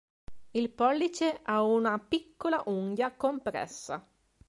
Il pollice ha una piccola unghia compressa.